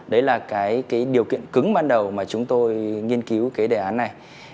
đấy là điều kiện cứng ban đầu mà chúng tôi nghiên cứu đề án này